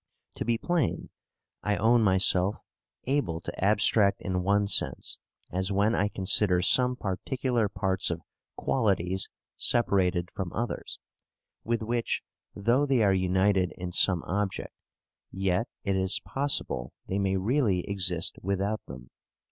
To be plain, I own myself able to abstract in one sense, as when I consider some particular parts of qualities separated from others, with which, though they are united in some object, yet it is possible they may really exist without them.